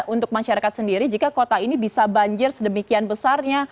untuk masyarakat sendiri jika kota ini bisa banjir sedemikian besarnya